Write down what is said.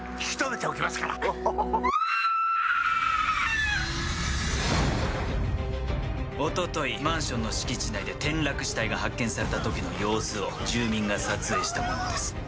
一昨日マンションの敷地内で転落死体が発見された時の様子を住民が撮影したものです。